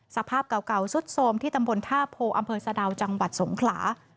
สภาพเก่าสุดโทรมที่ตำบลท่าโพอำเภอสะดาวจังหวัดสงขลา